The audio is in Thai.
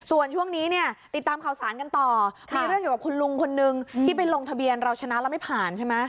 ส่วนช่วงนี้เนี่ยติดตามข่าวสารกันต่อมีเรื่องอยู่กับคุณลุงคนนึงที่ไปลงทะเบียนเราชนะแล้วไม่ผ่านใช่ไหม